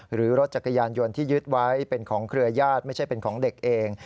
หรือรถจักรยานยนต์ที่ยึดไว้เป็นของเครือญาติไม่ใช่เป็นของเด็กเอง